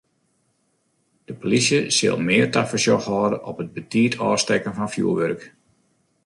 De polysje sil mear tafersjoch hâlde op it te betiid ôfstekken fan fjoerwurk.